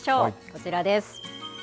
こちらです。